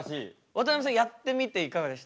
渡辺さんやってみていかがでした？